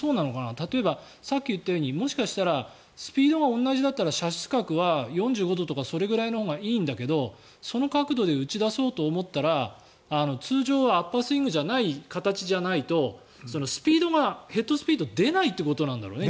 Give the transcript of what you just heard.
例えばさっき言ったみたいにもしかしたらスピードが同じだったら射出角は４５度とかそれくらいのほうがいいんだけどその角度で打ち出そうと思ったら通常はアッパースイングじゃない形じゃないとヘッドスピードが出ないということなんだろうね